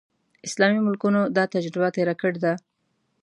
اسلامي ملکونو دا تجربه تېره کړې ده.